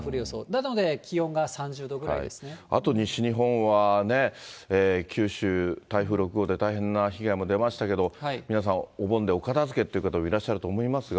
なので、あと西日本はね、九州、台風６号で大変な被害も出ましたけど、皆さん、お盆でお片づけという方もいらっしゃると思いますが。